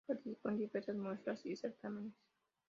Participó en diversas muestras y certámenes.